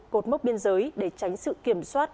cột mốc biên giới để tránh sự kiểm soát